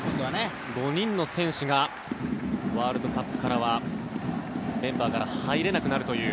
５人の選手がワールドカップからはメンバーから入れなくなるという。